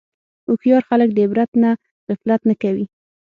هوښیار خلک د عبرت نه غفلت نه کوي.